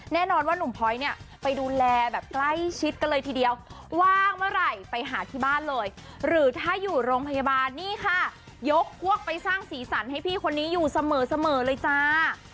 แน่นอนว่านุ่มพลอยเนี่ยไปดูแลแบบใกล้ชิดกันเลยทีเดียวว่างเมื่อไหร่ไปหาที่บ้านเลยหรือถ้าอยู่โรงพยาบาลนี่ค่ะยกพวกไปสร้างสีสันให้พี่คนนี้อยู่เสมอเลยจ้า